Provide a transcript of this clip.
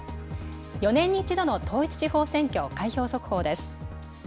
４年に１度の統一地方選挙、開票速報です。